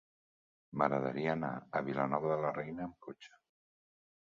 M'agradaria anar a Vilanova de la Reina amb cotxe.